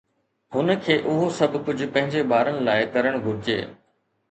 هن کي اهو سڀ ڪجهه پنهنجي ٻارن لاءِ ڪرڻ گهرجي